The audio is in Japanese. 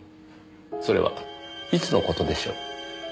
それはいつの事でしょう？